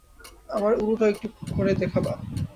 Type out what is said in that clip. আমার উরুটাও একটু করে দেখাবো।